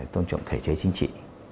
tôn trọng thể chế chính trị